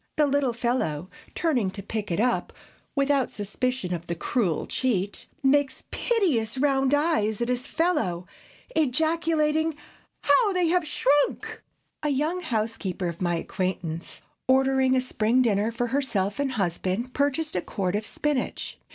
The little fellow, turning to pick it up, without a suspicion of the cruel cheat, makes piteous round eyes at his fellow, ejaculating, "How they have swhrunk!" A young housekeeper of my acquaintance, ordering a spring dinner for herself and husband, purchased a quart of spinach.